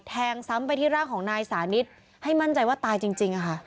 แทงซ้ำไปที่ร่างของนายสานิทให้มั่นใจว่าตายจริงค่ะ